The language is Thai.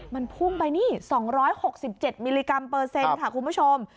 มันพุ่งไปนี่๒๖๗มิลลิกรัมเปอร์เซ็นต์ค่ะคุณผู้ชม